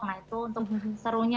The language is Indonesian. nah itu untuk serunya